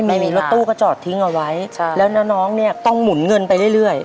ไม่มีรถตู้ก็จอดทิ้งเอาไว้แล้วน้าน้องเนี่ยต้องหมุนเงินไปเรื่อย